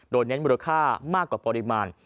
โดยเน้นมูลค่ามากกว่าปริมาณ